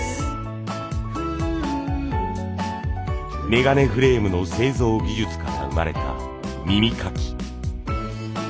メガネフレームの製造技術から生まれた耳かき。